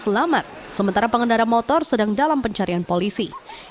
selamat sementara pengendara motor sedang dalam pencarian polisi